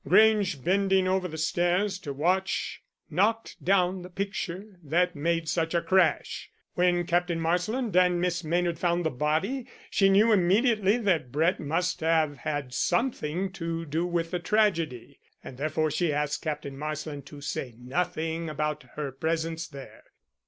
Grange, bending over the stairs to watch, knocked down the picture that made such a crash. When Captain Marsland and Miss Maynard found the body, she knew immediately that Brett must have had something to do with the tragedy, and therefore she asked Captain Marsland to say nothing about her presence there.